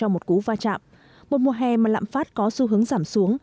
một mùa hè mà lạm phát có xu hướng giảm xuống